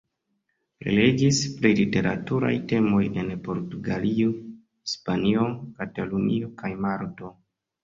Prelegis pri literaturaj temoj en Portugalio, Hispanio, Katalunio kaj Malto.